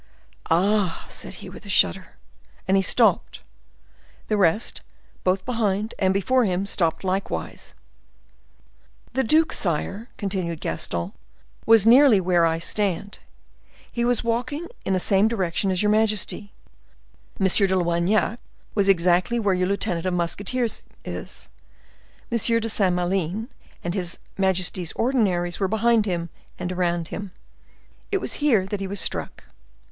"Ah!" said he with a shudder. And he stopped. The rest, both behind and before him, stopped likewise. "The duc, sire," continued Gaston, "was nearly were I stand: he was walking in the same direction as your majesty; M. de Loignac was exactly where your lieutenant of musketeers is; M. de Saint Maline and his majesty's ordinaries were behind him and around him. It was here that he was struck."